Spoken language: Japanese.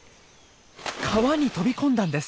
川に飛び込んだんです。